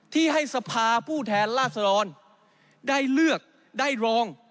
ที่ให้สภาผู้แทนราษฎรได้เลือกได้รอง